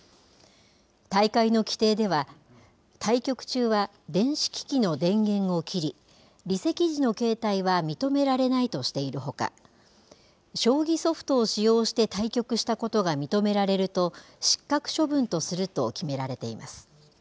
大会の規定では、対局中は電子機器の電源を切り、離席時の携帯は認められないとしているほか、将棋ソフトを使用して対局したことが認められると、失格処分とすると決められています。